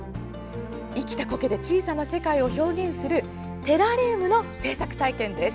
生きたコケで小さな世界を表現するテラリウムの制作体験です。